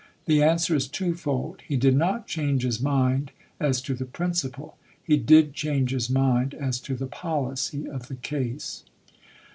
The answer is twofold : he did not change his mind as to the prin ciple ; he did change his mind as to the policy of the case.